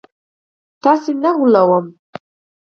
تاسي نه غولوم